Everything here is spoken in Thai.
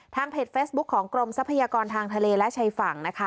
เพจเฟซบุ๊คของกรมทรัพยากรทางทะเลและชายฝั่งนะคะ